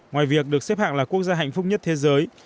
ngoài việc được xếp hạng là quốc gia hạnh phúc nhất thế giới